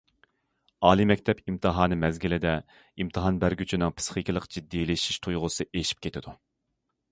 ئالىي مەكتەپ ئىمتىھانى مەزگىلىدە، ئىمتىھان بەرگۈچىنىڭ پىسخىكىلىق جىددىيلىشىش تۇيغۇسى ئېشىپ كېتىدۇ.